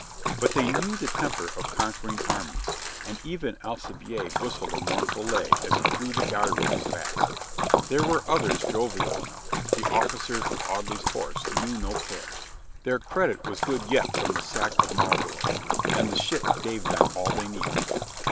But they knew the temper of conquering armies, and even Alcibiade whistled a mournful lay as he drew the guy ropes fast. There were others jovial enough. The officers of Audley's Horse knew no care. Their credit was good yet from the sack of Marlborough, and the ship gave them all they needed.